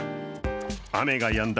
雨がやんだ